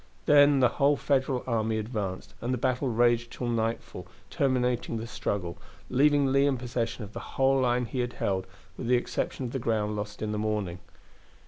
Then the whole Federal army advanced, and the battle raged till nightfall terminated the struggle, leaving Lee in possession of the whole line he had held, with the exception of the ground lost in the morning.